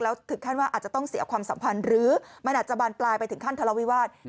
แล้วถึงขั้นว่าอาจจะต้องเสียความสัมพันธ์หรือมันอาจจะบานปลายไปถึงขั้นทะเลาวิวาส